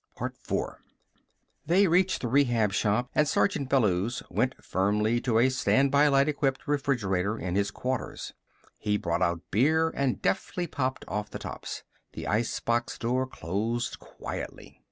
They reached the Rehab Shop, and Sergeant Bellews went firmly to a standby light equipped refrigerator in his quarters. He brought out beer and deftly popped off the tops. The icebox door closed quietly.